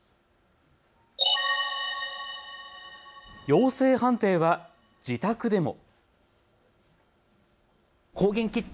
陽性判定は自宅でも。